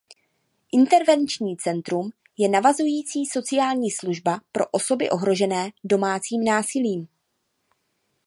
Intervenční centrum je navazující sociální služba pro osoby ohrožené domácím násilím.